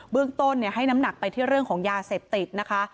เรื่องต้นให้น้ำหนักไปที่เรื่องของยาเสพติดนะคะ